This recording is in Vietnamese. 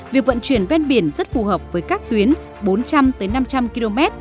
việc vận chuyển ven biển rất phù hợp với các tuyến bốn trăm linh năm trăm linh km